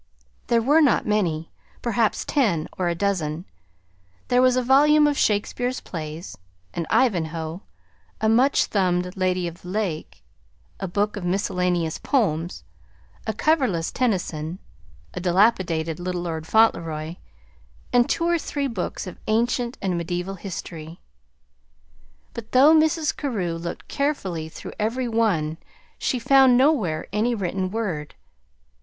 There were not many perhaps ten or a dozen. There was a volume of Shakespeare's plays, an "Ivanhoe," a much thumbed "Lady of the Lake," a book of miscellaneous poems, a coverless "Tennyson," a dilapidated "Little Lord Fauntleroy," and two or three books of ancient and medieval history. But, though Mrs. Carew looked carefully through every one, she found nowhere any written word.